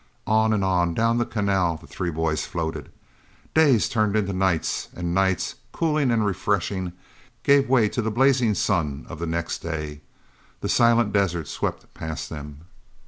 On and on down the canal, the three boys floated. Days turned into nights, and nights, cooling and refreshing, gave way to the blazing sun of the next day. The silent desert swept past them.